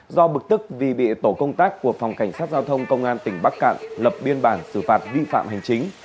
do bực tức vì bị tổ công tác của phòng cảnh sát giao thông công an tỉnh bắc cạn lập biên bản xử phạt vi phạm hành chính